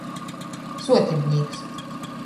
Suotibnīks.